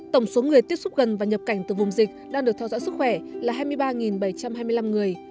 tổng số người tiếp xúc gần và nhập cảnh từ vùng dịch đang được theo dõi sức khỏe là hai mươi ba bảy trăm hai mươi năm người